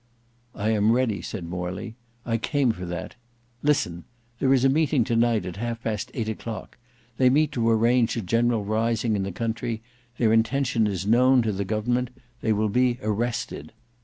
"I am ready," said Morley; "I came for that. Listen. There is a meeting to night at half past eight o'clock; they meet to arrange a general rising in the country: their intention is known to the government; they will be arrested.